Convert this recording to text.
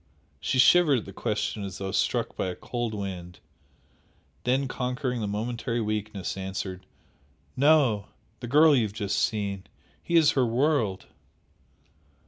She shivered at the question as though struck by a cold wind, then conquering the momentary weakness, answered "No. The girl you have just seen. He is her world!"